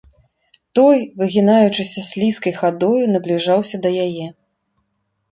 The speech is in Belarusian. Той, выгінаючыся слізкай хадою, набліжаўся да яе.